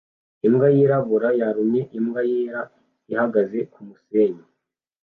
Imbwa yirabura yarumye imbwa yera ihagaze kumusenyi